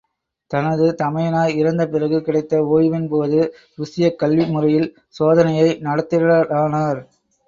தனது தமையனார் இறந்த பிறகு கிடைத்த ஓய்வின் போது, ருஷ்யக் கல்வி முறையில் சோதனையை நடத்திடலானார்.